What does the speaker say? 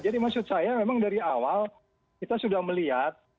jadi maksud saya memang dari awal kita sudah melihat